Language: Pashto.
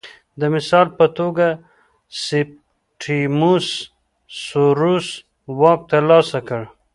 د مثال په توګه سیپټیموس سوروس واک ترلاسه کړ